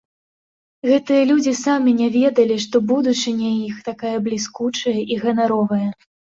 Гэтыя людзі самі не ведалі, што будучыня іх такая бліскучая і ганаровая.